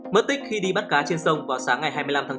mất tích khi đi bắt cá trên sông vào sáng ngày hai mươi năm tháng bốn